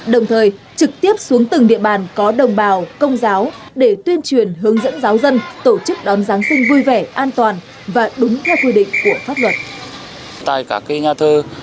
đồng thời trực tiếp xuống từng địa bàn có đồng bào công giáo để tuyên truyền hướng dẫn giáo dân tổ chức đón giáng sinh vui vẻ an toàn và đúng theo quy định của pháp luật